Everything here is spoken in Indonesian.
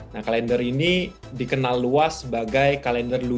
nah kalender ini dikenal luas sebagai kalender luas